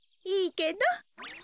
いいけど。